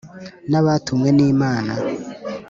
n’abatumwe n’imana